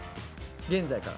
現在から。